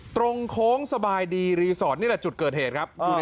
โค้งสบายดีรีสอร์ทนี่แหละจุดเกิดเหตุครับ